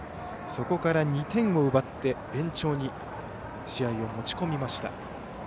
そこから２点を奪って延長に試合を持ち込みました。